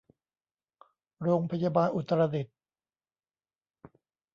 โรงพยาบาลอุตรดิตถ์